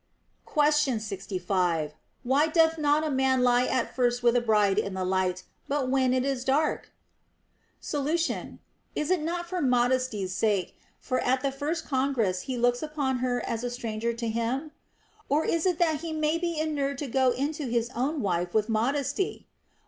Question Q»b. Why doth not a man lie at first with a bride in the light, but when it is dark \ Solution. Is it not for modesty's sake, for at the first congress he looks upon her as a stranger to him X Or is it that he may be inured to go into his own wife with modesty?